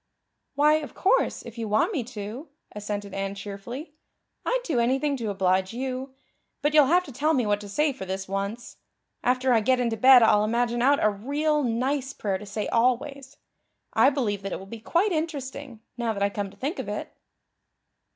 "Why, of course, if you want me to," assented Anne cheerfully. "I'd do anything to oblige you. But you'll have to tell me what to say for this once. After I get into bed I'll imagine out a real nice prayer to say always. I believe that it will be quite interesting, now that I come to think of it."